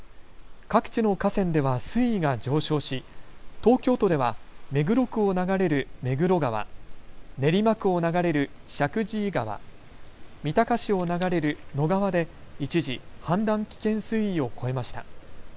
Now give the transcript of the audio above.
各地の河川では水位が上昇し東京都では目黒区を流れる目黒川、練馬区を流れる石神井川、三鷹市を流れる野川で、一時氾濫危険水位を超えました。